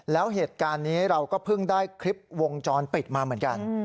แล้วเหตุการณ์นี้เราก็เพิ่งได้คลิปวงจรปิดมาเหมือนกัน